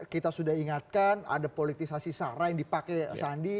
kita sudah ingatkan ada politisasi sarah yang dipakai sandi